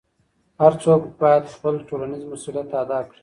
هر څوک باید خپل ټولنیز مسؤلیت ادا کړي.